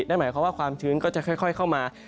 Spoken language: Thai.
นั่นหมายความว่าความชื้นก็จะค่อยเข้ามา